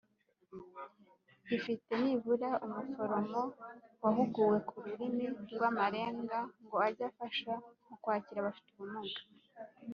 Gifite nibura umuforomo wahuguwe ku rurimi rw amarenga ngo ajye afasha mu kwakira abafite ubumuga